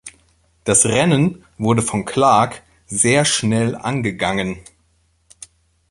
Das Rennen wurde von Clarke sehr schnell angegangen.